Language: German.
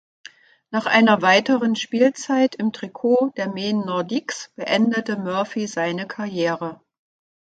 Nach einer weiteren Spielzeit im Trikot der Maine Nordiques beendete Murphy seine Karriere.